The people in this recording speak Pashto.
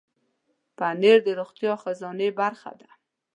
پنېر د روغتیا خزانې برخه ده.